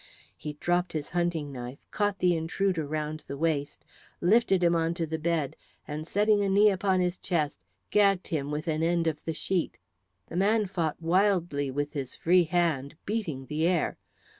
He dropped his hunting knife, caught the intruder round the waist, lifted him onto the bed, and setting a knee upon his chest gagged him with an end of the sheet. The man fought wildly with his free hand, beating the air.